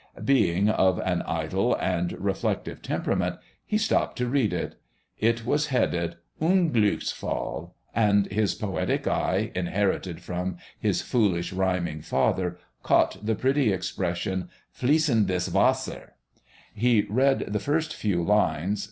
Being of an idle and reflective temperament, he stopped to read it it was headed "Unglücksfall," and his poetic eye, inherited from his foolish, rhyming father, caught the pretty expression "fliessandes Wasser." He read the first few lines.